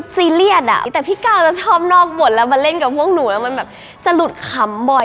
แต่พี่ก้าวจะชอบนอกบทมาเล่นกับพวกหนูแล้วมันแบบจะหลุดคำบ่อย